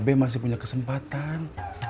be masih punya kesempatan